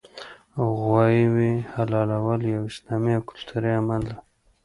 غوايي حلالول یو اسلامي او کلتوري عمل دی